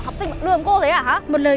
bỏ kiểu đi